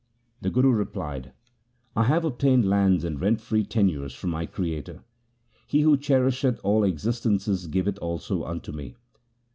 The Guru replied, ' I have obtained lands and rent free tenures from my Creator. He who cherisheth all existences giveth also unto me.